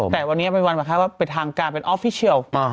แต่วันนี้เป็นวันคล้ายว่าเป็นทางการเป็นออฟฟิเชียล